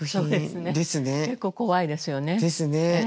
そうですね結構怖いですよね。